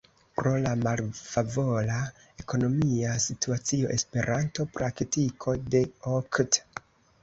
Pro la malfavora ekonomia situacio "Esperanto-Praktiko" de okt.